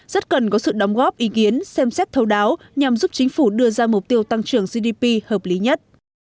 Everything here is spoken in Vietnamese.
rất cần có sự đóng góp ý kiến xem xét thấu đáo nhằm giúp chính phủ đưa ra mục tiêu tăng trưởng gdp hợp lý nhất